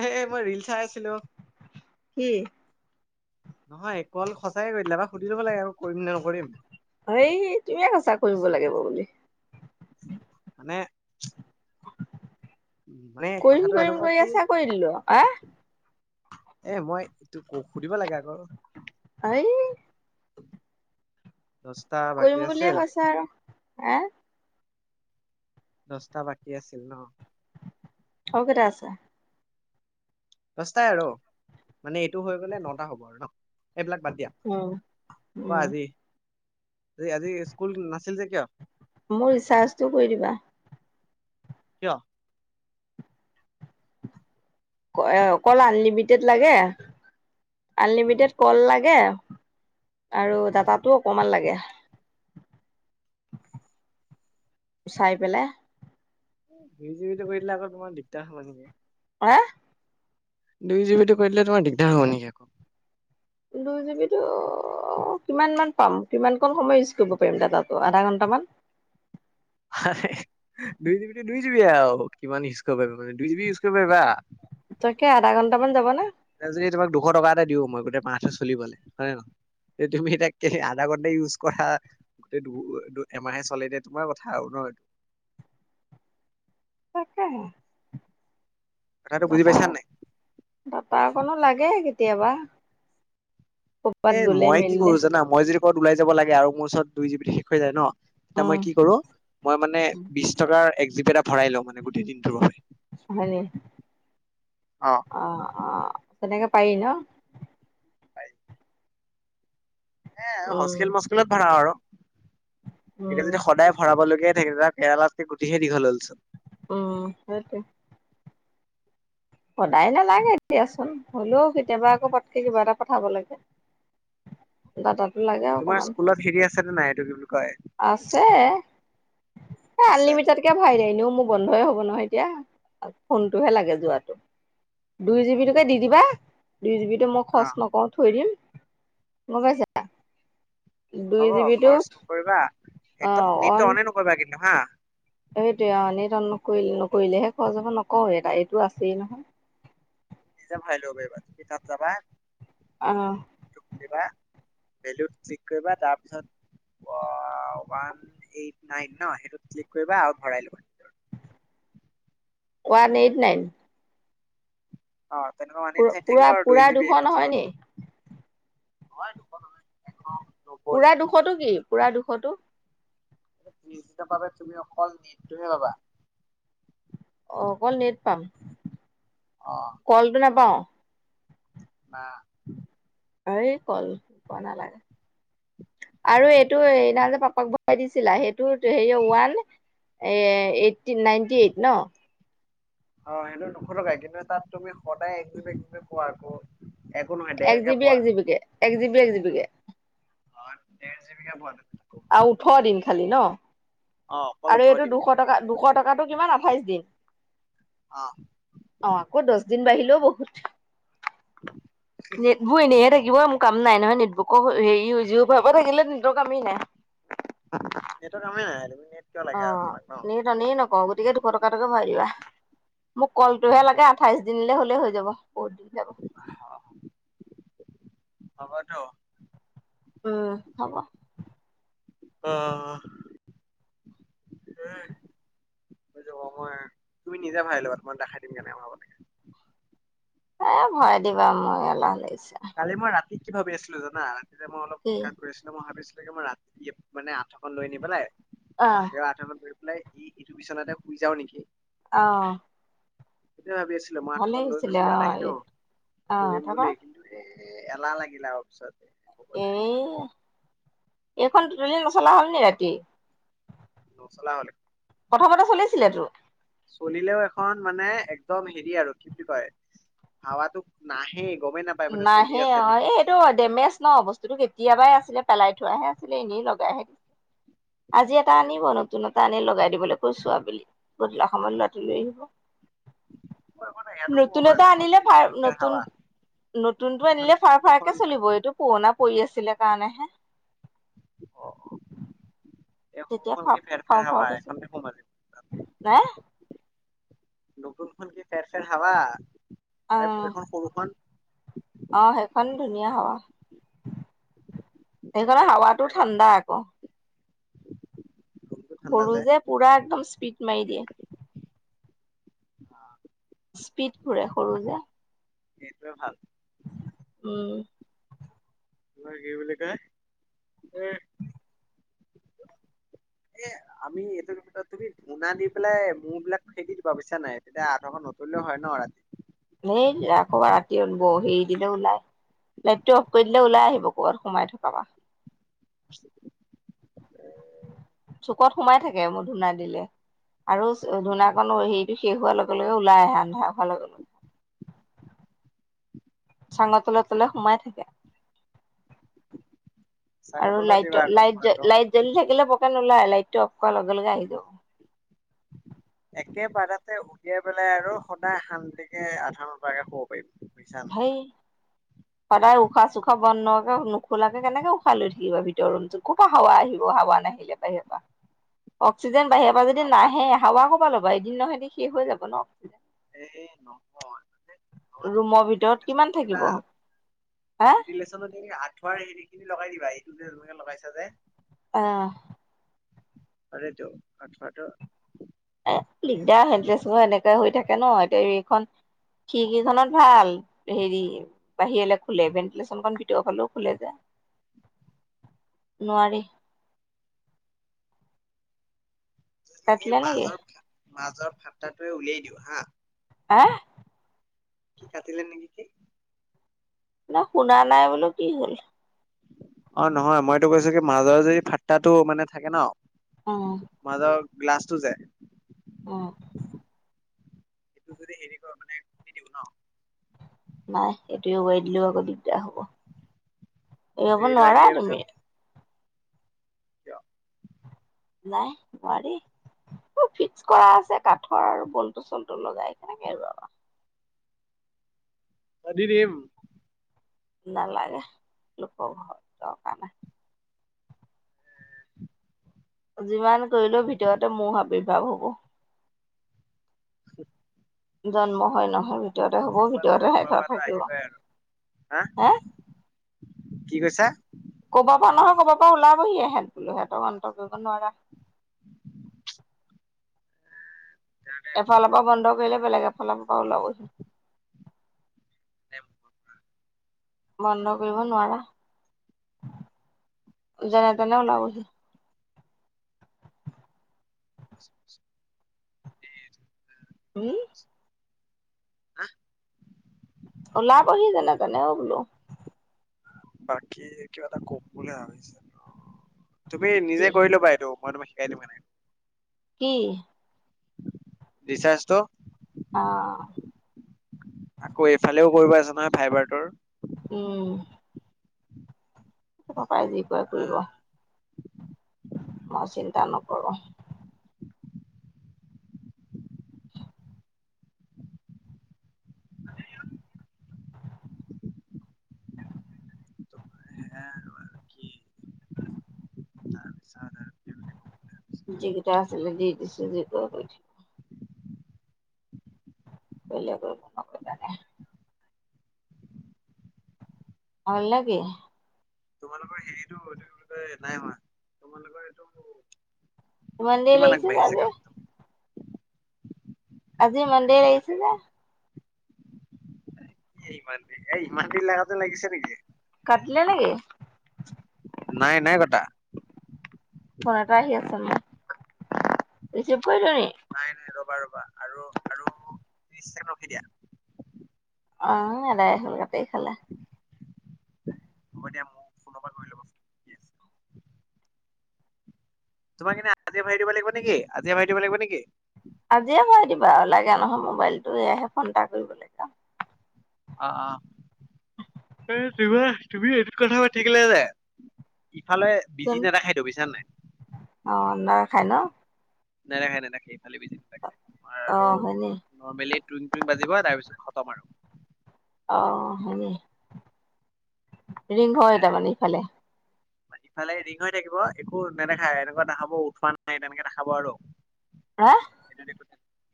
এহহে মই ৰীল চাই আছিলোঁ। কি নহয় কল সঁচাকে কৰি দিলা ন? সুধি লব লাগে আকৌ কৰিম নে নকৰিম। হেই তুমি কৈছা কৰিব লাগিব বুলি। মানে মানে কৰিম কথাটো কৰিম এনেকুৱা কৰি কি আছা কৰি দিলো আহৰ এ মই, এইটো সুধিব লাগে আকৌ। আই। [inaudible] বাকী কৰিম বুলিয়ে আছিল কৈছা! হা দছটা বাকী আছিল ন? আৰু কেটা আছে? দচটাই আৰু। মানে এইটো হৈ গলে নটা হব আৰু ন? এইবিলাক বাদ দিয়া। উম কোৱা উম আজি আজি স্কুল নাছিল যে কিয়? মোৰ ৰিচাৰ্জটো কৰি দিবা। কিয়? ক কল আনলিমিটেড লাগে আনলিমিটেড কল লাগে এ আৰু উম, দাটাতো অকনমান লাগে। চাই পেলাই এহ জুই জু [unintelligible] কৰি দিলে আকৌ তোমাৰ দিগদাৰ হ'ব নেকি হা! দুই জি বি টো কৰি দিলে তোমাৰ দিগদাৰ হব নেকি আকৌ! দুই জি বিটো কিমানমান পাম? কিমানকণ সময় ইউছ কৰিব পাৰিম দাটাতো? আধা ঘণ্টামান। দুই জিবি টো দুই জিবিয়েই আৰু। কিমান ইউজ কৰিব পাৰিবা মানে দুই জিবি ইউজ কৰিব পাৰিবাতো তাকে আধা ঘণ্টা মান যাব নে? এতিয়া যদি তোমাক দুশ টকা এটা দিওঁ মই গোটেই মাহটো চলিবলে, হয়নে নহয়? তুমি এতিয়া আধা ঘণ্টাই ইউজ কৰা গোটে দু এমাহে চলে দ তোমাৰ কথা আৰু ন এইটো! তাকে হে কথাটো বুজি দাটা পাইছা নাই দাটা অকনো লাগে কি! তেৱা এ মই কি কৰো জানা? মই যদি ক'বাত ওলাই যাব লাগে আৰু মোৰ ওচৰত দুই জিবিটো শেষ হৈ যায় ন। তা উম মই কি কৰো মই মানে বিশ টকাৰ এক জিবি এটাপ ভৰাই লওঁ মানে গোটেইদিনটোৰ বাবে। হয় নি? অ অ। তেনেকে পাৰি ন? সেয়াই আৰু উম হস্কিল মস্কিলত ভাল আৰু। এতিয়া উম যদি সদায় ভৰাবলগীয়াই থাকে তাক কেৰেলাত তে গুটিহে দীঘল হ'ল চোন। উম সেটোৱে। সদায় নালাগে দিয়াচোন হ'লেও কেতিয়াবা আকৌ পতকে কিবা এটা পঠাব লাগে। দাটা তোমাৰ স্কুলত হেৰি আছে নে নাই এইটো কি বুলি কয় আছে এ আছে আনলিমিটেডকে ভৰাই দে এনেও মোৰ বন্ধই হব নহয়। তিয়া ফোনটোহে লাগে যোৱাত। দুই জিবিটোকে দি দিবা। দুই জিবিটো মই অ খৰচ নকৰোঁ, থৈ দিম। গম পাইছা? দুই হ'ব জিবিটো খৰচ নকৰিবা, একদম নেটতো অনে নকৰিবা কিন নাহা? এইটোৱে অ, নেত অন নকৰিলে-নকৰিলেহে খৰছজ হব নকৰো নহয় এটা এইটো আছেই নহয়। তুমি নিজে ভৰাই ল'ব পাৰিবা তুমি তাত যাবা অহ ', কিবা ভেলুত ক্লিক কৰিবা, তাৰপিছত ওৱান এইট নাইন ন? সেইটোত ক্লিক কৰিবা আৰু ভৰাই ল'বা। One eight nine? অঅঁ' তেনেকুৱা মানিত পুৰা ঠাই [unintelligible] পুৰা থাকিব আৰু পুৰা দুই দুশ জিবি কথা নহয় হলে নি [unintelligible] নহয় দুশ, এশ নব্বৈ পুৰা দুশ টো কি? পুৰা দুশ টো? ত্ৰিশদিনৰ বাবে তুমি অকল নেটতোহে পাবা। অঁ' অকল নেট পাম অ কলটো নাপাওঁ? না। এই কল নোপোৱা নালাগে আৰু এইটো সিদিনাখন যে পাপাক ভৰাই দিছিলা সেইটো হেৰি ওৱান এ এইটি নাইনটি এইট ন? অঁ সেইটো নুখোলকাই [unintelligible] কিন্তু তাত তুমি সদায় একদুব একে কোৱা আক [unintelligible] এক জিব এক জিব কে এক জিব। দে জিবি কে অঁ ডেৰ জিবি কে পত আৰু ওঠৰ দিন খালি ন অ অকল আৰু ওঠৰ এইটো দিন দুশ টকা দুশ টকাটো কিমান আঠাইশ দিন অ অঃ ক' দছ দিন বাঢ়িলেও বহুত উ [inaudible] নেট বোৰ এনেই হে থাকে থিব মোৰ কাম নাই নহয় নেটবুকৰ হেৰি হৈ য ভাব থাকিলে নেটৰ কামেই নাই নেটৰ্ কামেই নাইে অঁ নিট অনে নকৰো গতিকে দুশ টকা কে ভাল মোক কলটোহে লাগে আঠাইশ দিনিলে হলেই হৈ যাব ব দি যাব হব ত উম হব আহ হৈ যাব মই তুমি নিজে ভাবিলো ত মই দেখাই দিম কেনে অমাবে এ ভয় দিবা মই অলাহ কালি মই ৰাতি কি ভাবি আছিলো জানা যেতি মই কি অলপোক কৰি আছিলো ম ভাবি মই ৰাতি মানে আঠখন লৈ নি পেলাই অ বাহিৰ আঠাব এইটো বিচন এটা শুই যাওঁ নেকি অঁ সেইটোৱে ভাবি আছিলো, মই আঠুৱাখন লৈ গৈছিলোঁ অ ইয়াত আহিলো, অ তৌৰিম তাৰপা বুলি এ এলাহ লাগিলে আও পিছত হ'ব এ দে এইখন দুটলি নচলা হ'লনি ৰাতি। নচলা হ'ল এইখন কথা বতৰা চলিছিলে টো। চলিলেও এখন মানে একদম হেৰি আৰু কি বুলি কয় হাৱাটো নাহেই। গমেই নাপায় মানে চলি নাহে আছে অঁ, এই এইটো নেকি ডেমেজ ন বস্তুটো কেতিয়াবাই আছে আছিলে পেলাই থোৱাহে আছিলে, এনেই লগাইহে আজি এটা আনিব নতুন এটা আনি লগাই দিবলৈ কৈছো আবেলি। গধুলা সময়ত ল'ৰাটো লৈ আহিব। একো নাই ইয়াতো ক'ব নতুনতে পাৰো এখন আনিলে কি ভাল, ফেৰ ফেৰ নতুন হাৱা নতুনটো এখন আনিলে ফাৰ টিকলুখন ফাৰকে চলিব, এইটো পুৰণা পৰি আছিলে কাৰণেহে। [unintelligible] তেতিয়া ফা ফাও ফেৰ-ফেৰ হাৱা ফাওকে আহে, চলি এখনতে সুম আজি। নাই [inaudible] নতুনখন কি ফেৰ- ফেৰ হাৱা। অ এখন সৰুখন খন ধুনীয়া হাৱা। এ [unintelligible] হাৱাটো নাইবা ঠাণ্ডা আকৌ। ৰুমটো ঠাণ্ডা সৰু যে পুৰা একদম পিট মাই দিয়ে। স্পীড ঘূৰে সৰু যে। এইটোৱে ভাল। উম। [unintelligible] কি বুলি কয়, এ আমি এইটোৰত তুমি ধূনা দি পেলাই মহ বিলাক খেদি দিবা বুজিছা নাই, তেতিয়া আঠখন নতৰিলেও হয় ন ৰাতি এই কৰবাত ৰাতি ব হেৰি দিলে ওলাই, লাইটটো অফ কৰি দিলে ওলাই আহিব ক'বাত সোমাই থকা পা। [inaudible] চুকত সোমাই থাকে মোৰ ধূনা দিলে আৰু ধূনাাকন হেৰিটো শেষ হোৱাৰ লগে লগে ওলাই আহে আন্ধাৰ হোৱাৰ লগে লগে চাঙৰ তলে-তলে সোমাই থাকে। চাঙৰ আৰু তলত দিবা লাইট আকৌ ধূনাটো লাইট-লাইট জ্বলি থাকিলে প [unintelligible] ওলাই লাইটটো কৰাৰ লগে লগে আহি একেবাৰতে উলিয়াই পেলাই আৰু সদায় শান্তিকে আঠুৱা খন পাৰি পেলাই শুব পাৰিম। বুজিছা নাই হেই। সদায় উশাহ চোশাহ বন্ধ নোহোৱাকে নোখোলাকে কেনেকে উশাহ লৈ থাকিবা ভিতৰ ৰুমটো, ক'ৰপা হাৱা আহিব হাৱা নাহিলে বাহিৰৰ পৰা। অক্সিজেন বাহিৰৰ এই পৰা যদি হাৱা নাহে, হাৱা কপা লম এদিন নহয় এদিন শেষ হৈ যাব ন। অক্সিজেন। এ নহয় মানে ৰুমৰ ঘৰতটো ভিতৰত ভেন্টিলেচন কিমান থাকিব খুলিবা। হা ভেন্টিলেশ্যনত সেই আঁঠুৱাৰ কিনি কিনি লগাই দিবা এইটোতে যেনেকে লগাইছা যে অ'। আৰু এইটো আঁঠুৱাটো এ দিগদাৰ হেল্থলেছ হৈ এনেকে হৈ থাকে ন এতিয়া এইখন খিৰিকিখনত ভাল হেৰি বাহিৰলে খোলে ভেণ্টিলেশ্যনখন ভিতৰৰ ফালেও খোলে যে, নোৱাৰি। এই কাটিলে নেকি মাজৰ ফাত মাজৰ ফাতাটো উলিয়াই দিওঁ হা। আ, কি ফাটিলে নে কি? নহয় শুনা নাই বোলো কি হ'ল। অ নহয়, মই এইটো কৈছো কি মাজৰ যদি ফাতটাটো মানে থাকে ন। উম মাজৰ। গ্লাছটো যে অ'। সেইটো যদি হেৰি কৰো মানে দি দিওঁ ন। নাই এইটো এৰোৱাই দিলেও আকৌ দিগদাৰ হ'ব। এইবোৰ এৰুৱাই নোৱাৰা দিয়াৰ পিছত তুমি। কিয়? নাই নোৱাৰী ফিক্স কৰা আছে কাঠৰ আৰু বল্তু চল্তু লগাই কেনেকে এৰোৱাবা। দি দিম। নালাগে লোকৰ ঘৰ দৰকাৰ নাই। যিমান কৰিলেও ভিতৰতে মহ আৱিৰ্ভাৱ হ'ব। হমহ। জন্ম হয় নহয় ভিতৰতে হ'ব নহয় ক'ৰবাৰ ভিতৰতে পৰা থাকিব। আহিবই আৰু হা। কি কৈছা? ক'বা পৰা নহয় ক'বা পৰা ওলাবহিয়ে এহেতি এহেতৰ অন্ত কৰিব নোৱাৰা। এফালৰ পৰা বন্ধ কৰিলে বেলেগ ফালৰ পৰা ওলাবহি। কৈছা বন্ধ কৰিব নোৱাৰা, যেনে তেনে ওলাবহি। উম। হা। ওলাবহি যেনে তেনে অ বোলো। বাকী কিবা এটা কম বুলি ভাবিছিলোঁ। তুমি কি নিজে কৰিলবা এইটো। মই তোমাক শিকায় দিম কেনেকে কি? ৰিচাৰ্জটো। অ'। আকৌ এইফালেও কৰিব আছে নহয়, ফাইবাৰটোৰ। উম তাই যি কৰে কৰিব। অহ চিন্তা নকৰোঁ [unintelligible] তাৰপিছ আৰু ফেমিলি সৈতে যিকেইটা আছিলে দি দিছোঁ, যি কৰ কৰি থাকিবি। কৰিলে কৰিব নকৰিলে নাই অ লাগে তোমালোকৰ হেৰিটো এইটো কি কয় নাই হোৱা তোমালোকৰ এইটো ইমান দেৰি কিমান লাগিছে যে আগবাঢ়িছে আজি কামটো আজি মন্দিৰ আহিছ নে? এ ইমান দে এ ইমান দেৰি লগাটো লাগিছে নেকি কাটিলে নেকি? নাই নাই কটা ফোন এটা আহি আছে মোক, ৰিচিভ কৰিলোঁ নি? নাই নাই, ৰ'বা ৰ' আৰু আৰু বিশ ছেকেণ্ড ৰখি দিয়া অ' এদাই হলগে আও কি খালা? হ'ব দিয়া মোৰ ফোনৰ পৰা কৰি ল'বা ফোন তোমাক এনে আজিয়ে ভৰাই দিব লাগিব নেকি? আজিয়ে ভৰাই দিব লাগিব নেকি? আজিয়ে ভৰাই দিবা লাগে নহয় মোবাইলটো, এয়াহে ফোন এটা কৰিবলে অ' অ'। এ তোমাৰ, তুমি এনেকৈ কথা পাতি থাকিলে যে ইফালে বিজি কোন ফা, নেদেখাইতো বুজিছা নাই অ' নেদেখাই ন' নেদেখাই নেদেখাই, ইফালে বিজি নেদেখাই তোমাৰ আৰু অ', হয় নি? নৰ্মেলি টুন-টুন বাজিব, তাৰ পিছত খতম আৰু অ', হেৰি ৰিং হয় এয়াই। তাৰমানে ইফালে ইফালে ৰিং হৈ থাকিব একো নেদেখায়। এনেকুৱা দেখাব উঠোৱা নাই, তেনেকে দেখাব আৰু হে এইটোত একো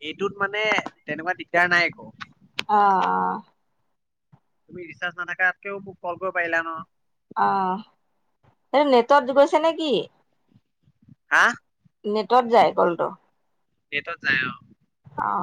এইটোত মানে তেনেকোৱা দিগদাৰ নাই একো অ', তুমি ৰিচাৰ্জ নাথাকাকেও মোক কল কৰিব পাৰিলা নহ অ', এই নেটৱৰ্ক গৈছে নেকি হা নেটৱৰ্ক যায় কলটো ডেটত যাই অ', অ'।